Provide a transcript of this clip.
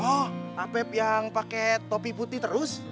oh apep yang pakai topi putih terus